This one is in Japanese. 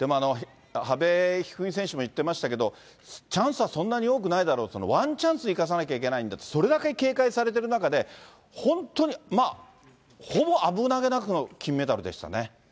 阿部一二三選手も言ってましたけど、チャンスはそんなに多くないだろうって、ワンチャンス生かさなきゃいけないんだという、それだけ警戒されてる中で、本当にまあ、ほぼ危なげなくの金メダルでしたね。